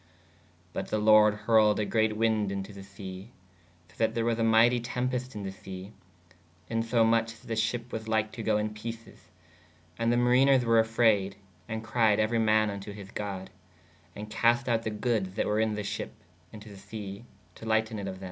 ¶ But [the] lorde hurled a greate winde in to [the] se/ so that there was a myghtie tēpest in the se: in so moch [that] the shepp was lyke to goo in peces. And the mariners were afrayed & cried euery man vn to his god/ & cast out [the] goodes [that] were in [the] sheppe in to [the] se/ to lighten it of thē.